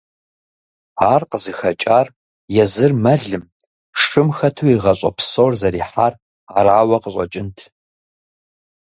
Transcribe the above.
Ар къызыхэкӏар езыр мэлым, шым хэту и гъащӏэ псор зэрихьар арауэ къыщӏэкӏынт.